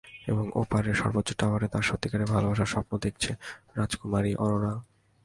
এবং ওপারের সর্বোচ্চ টাওয়ারে তার সত্যিকারের ভালবাসার স্বপ্ন দেখছে, রাজকুমারী অরোরা।